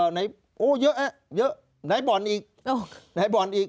ไหนโอ้เยอะไหนบ่อนอีก